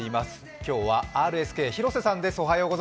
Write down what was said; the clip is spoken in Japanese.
今日はＲＳＫ、廣瀬さんです。